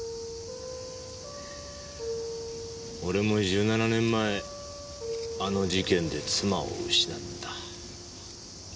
俺も１７年前あの事件で妻を失った。